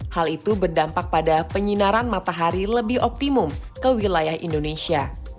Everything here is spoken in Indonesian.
hal itu berdampak pada penyinaran matahari lebih optimum ke wilayah indonesia